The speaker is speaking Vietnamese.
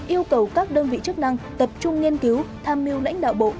yêu cầu các đơn vị chức năng tập trung nghiên cứu tham mưu lãnh đạo bộ